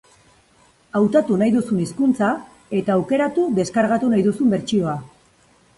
Hautatu nahi duzun hizkuntza eta aukeratu deskargatu nahi duzun bertsioa.